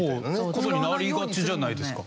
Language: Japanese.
事になりがちじゃないですか？